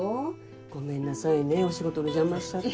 ごめんなさいねお仕事の邪魔しちゃって。